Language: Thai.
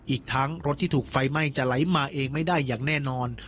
อีกทั้งรถที่ถูกไฟไหม้จะไหลมาเองไม่ได้อย่างแน่นอน